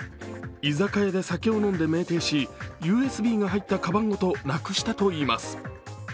居酒屋で酒を飲んで酩酊しＵＳＢが入ったかばんごとなくしたといいます。